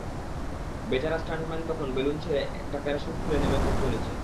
বেচারা স্টান্টম্যান তখন বেলুন ছেড়ে একটা প্যারাস্যুট খুলে নেমে পড়ত নিচে।